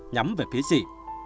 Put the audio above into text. nhắm về phía chị